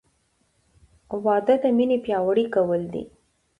• واده د مینې پیاوړی کول دي.